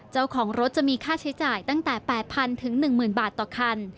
เจ้าของรถจะมีค่าใช้จ่ายตั้งแต่๘๐๐๑๐๐บาทต่อคัน